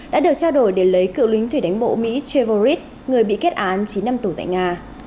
đã được trao đổi để lấy cựu lính thủy đánh bộ mỹ trevorit người bị kết án chín năm tù tại nga